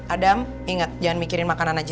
adam inget jangan mikirin makanan aja